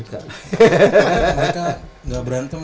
mereka gak berantem